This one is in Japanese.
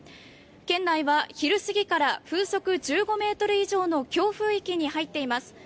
県内は昼過ぎから風速１５メートル以上の強風域に入っています。